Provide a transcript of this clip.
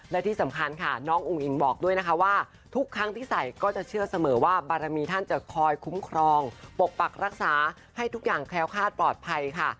และที่สำคัญค่ะน้องอุ้งอิ๋งบอกด้วยนะคะว่าทุกครั้งที่ใส่ก็จะเชื่อเสมอว่าบารมีท่านจะคอยคุ้มครองปกปักรักษาให้ทุกอย่างแคล้วคาดปลอดภัยค่ะ